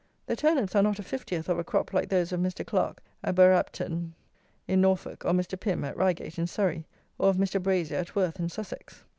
The turnips are not a fiftieth of a crop like those of Mr. Clarke at Bergh Apton in Norfolk, or Mr. Pym at Reigate in Surrey, or of Mr. Brazier at Worth in Sussex.